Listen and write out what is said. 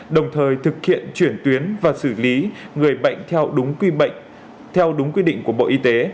đồng thời thực hiện chuyển tuyến và xử lý người bệnh theo đúng quy định của bộ y tế